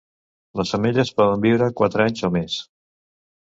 Les femelles poden viure quatre anys o més.